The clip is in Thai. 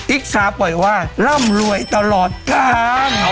อิกสาปลดว่าร่ำรวยตลอดกราศง์